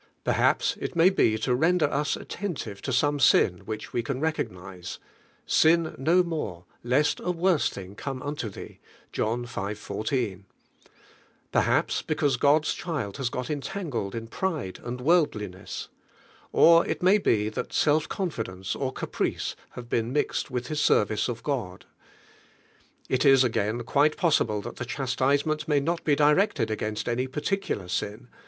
Perhaps it may i" to render us attentive to some sin which we can recognise; "Sin no more, lcsl ,i worse thing come into thee" (John v. 14); perhaps because Hod's child has got en tangled in pride and worldliness; or it may he that self confidence or caprice have been mixed with liis service of God. It is again quite possible that t lie chas tisement may not lie directed against any particular sin.